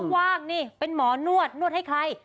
ว่างนี่เป็นหมอนวดนวดให้ใคร